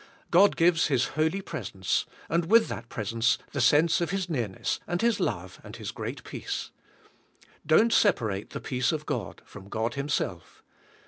God gives His holy presence, and with that presence the sense of His nearness and His love and His great peace. Don't separate the peace of God from God Himself.